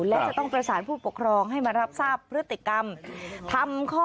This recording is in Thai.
และจะต้องประสานผู้ปกครองให้มารับทราบพฤติกรรมทำข้อ